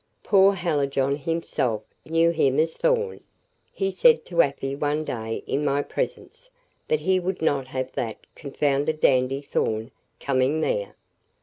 "Poor Hallijohn himself knew him as Thorn. He said to Afy one day, in my presence, that he would not have that confounded dandy, Thorn, coming there."